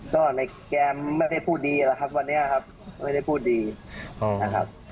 ก็ในเกมไม่ได้พูดดีแล้วครับวันนี้ครับไม่ได้พูดดีนะครับ